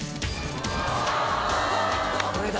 これだ！